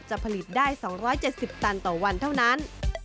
ผลิตได้๒๗๐ตันต่อวันเท่านั้น